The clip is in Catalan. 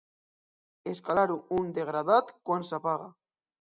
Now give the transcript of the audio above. escalar un degradat quan s'apaga.